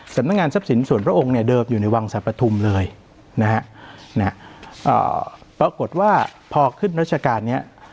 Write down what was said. สำนักงานทรัพย์สินส่วนพระองค์เนี่ยเดิมอยู่ในวังสรรปฐุมเลยนะฮะปรากฏว่าพอขึ้นรัชการเนี่ย